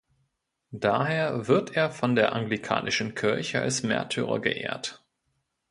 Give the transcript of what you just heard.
Daher wird er von der anglikanischen Kirche als Märtyrer geehrt.